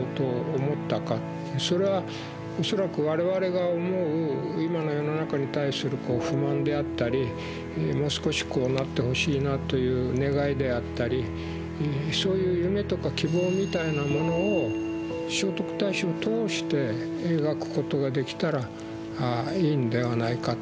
それは恐らく我々が思う今の世の中に対する不満であったりもう少しこうなってほしいなという願いであったりそういう夢とか希望みたいなものを聖徳太子をとおして描くことができたらいいんではないかと思ったんですよね。